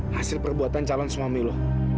hasil perbuatan calon suami lo